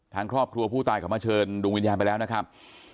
ทางครอบครัวผู้ตายเขามาเชิญดวงวิญญาณไปแล้วนะครับ